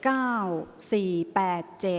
ออกรางวัลที่๖เลขที่๗